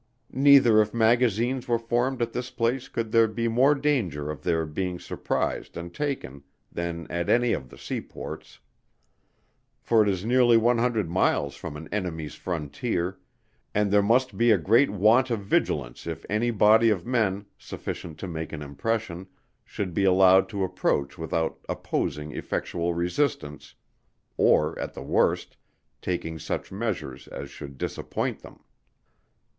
Neither if magazines were formed at this place could there be more danger of their being surprised and taken, than at any of the sea ports; for it is nearly one hundred miles from an enemy's frontier, and there must be a great want of vigilance if any body of men, sufficient to make an impression, should be allowed to approach without opposing effectual resistance, or at the worst, taking such measures as should disappoint them.